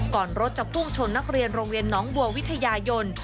รถจะพุ่งชนนักเรียนโรงเรียนน้องบัววิทยายน